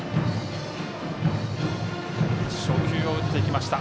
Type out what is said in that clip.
初球を打っていきました。